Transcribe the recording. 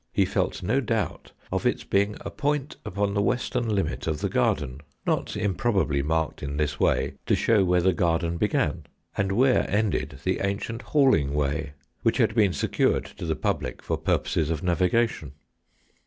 He felt no doubt of its being a point upon the western limit of the garden; not improbably marked in this way to show where the garden began, and where ended the ancient hauling way, which had been secured to the public for purposes of navigation.